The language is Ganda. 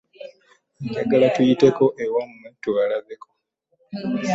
Njagala tuyiteko ewammwe tubalabeko.